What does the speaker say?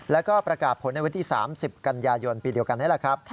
แล้วก็ประกาศผลในวันที่๓๐กันยายนปีเดียวกันนี่แหละครับ